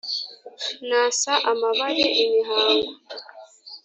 Nasa amabare ,imihango